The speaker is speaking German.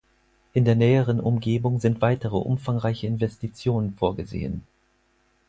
In der näheren Umgebung sind weitere umfangreiche Investitionen vorgesehen.